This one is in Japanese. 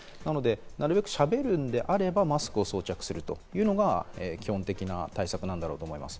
なるべくしゃべるのであればマスクを装着するというのが基本的な対策だと思います。